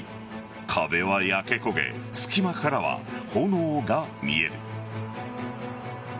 壁は焼け焦げ隙間からは炎が見える。